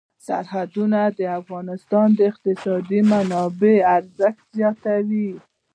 سرحدونه د افغانستان د اقتصادي منابعو ارزښت زیاتوي.